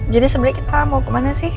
jadi sebenarnya kita mau kemana sih